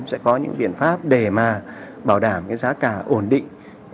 sẽ có những biện pháp để mà bảo đảm cái giá cả ổn định